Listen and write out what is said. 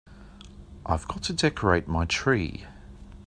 I've got to decorate my tree.